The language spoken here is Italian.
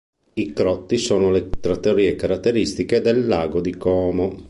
I "Crotti" sono le trattorie caratteristiche del Lago di Como.